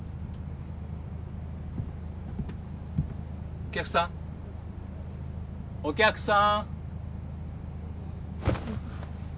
お客さんお客さん！